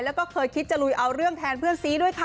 แล้วก็เคยคิดจะลุยเอาเรื่องแทนเพื่อนซีด้วยค่ะ